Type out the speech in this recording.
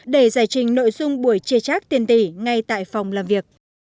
để giải trình nội dung buổi chê trác tiền tỷ ngay tại phòng làm việc